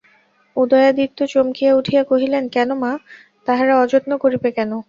উদয়াদিত্য চমকিয়া উঠিয়া কহিলেন, কেন মা, তাহারা অযত্ন করিবে কেন?